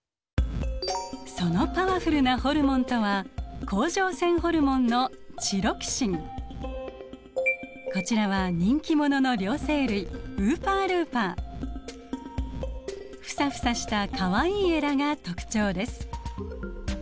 そのパワフルなホルモンとは甲状腺ホルモンのこちらは人気者の両生類ふさふさしたかわいいエラが特徴です。